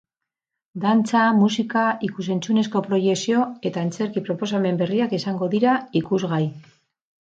Dantza, musika, ikus-entzunezko proiekzio eta antzerki proposamen berriak izango dira ikusgai.